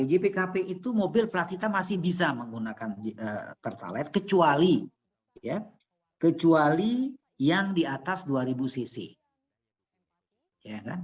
jpkp itu mobil plat kita masih bisa menggunakan pertalain kecuali yang di atas dua ribu cc